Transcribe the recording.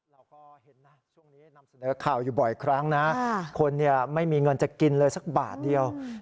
เราก็เห็นนะช่วงนี้นำเสนอข่าวอยู่บ่อยครั้งนะคนไม่มีเงินจะกินเลยสักบาทเดียว